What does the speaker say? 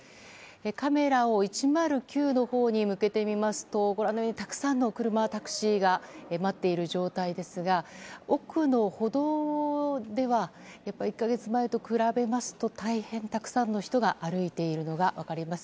カメラを１０９のほうに向けてみますと、ご覧のようにたくさんの車やタクシーが待っている状態ですが奥の歩道では１か月前と比べますと大変たくさんの人が歩いているのが分かります。